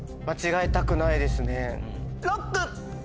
ＬＯＣＫ！